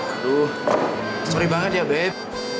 aduh sorry banget ya beb